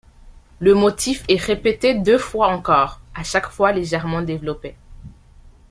Le motif est répété deux fois encore, à chaque fois légèrement développé.